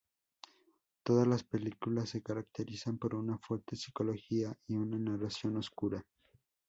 Todas las películas se caracterizan por una fuerte psicología y una narración oscura.